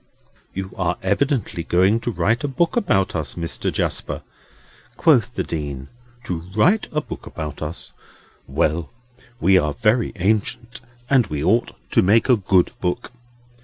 "You are evidently going to write a book about us, Mr. Jasper," quoth the Dean; "to write a book about us. Well! We are very ancient, and we ought to make a good book.